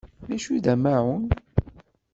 D acu i d amaεun?